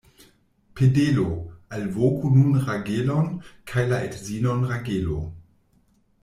Pedelo, alvoku nun Ragelon kaj la edzinon Ragelo.